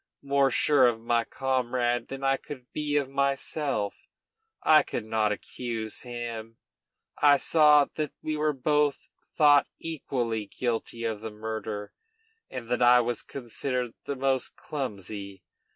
More sure of my comrade than I could be of myself, I could not accuse him. I saw that we were both thought equally guilty of the murder, and that I was considered the most clumsy.